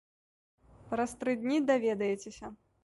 Праз тры дні даведаецеся.